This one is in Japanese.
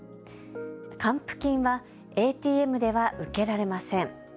還付金はＡＴＭでは受けられません。